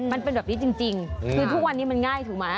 มันเป็นแบบนี้จริงคือทุกวันนี้มันง่ายถูกไหม